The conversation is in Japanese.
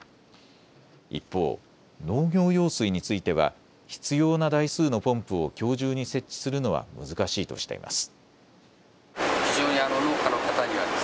一方、農業用水については必要な台数のポンプをきょう中に設置するのは難しいとしています。